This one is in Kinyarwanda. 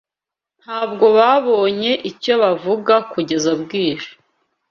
Ntabwo babonye icyo bavuga kugeza bwije